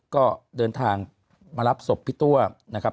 ก็เดินทางมารับศพพี่ตัวนะครับ